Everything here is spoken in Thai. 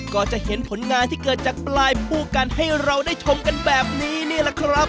ก็จะเห็นผลงานที่เกิดจากปลายผู้กันให้เราได้ชมกันแบบนี้นี่แหละครับ